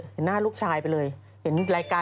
สวัสดีค่ะ